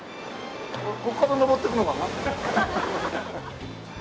ここから上っていくのかな？